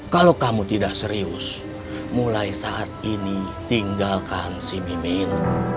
kalau kamu tidak serius mulai saat ini tinggalkan si mimin